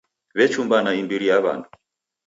W'echumbana imbiri ya w'andu.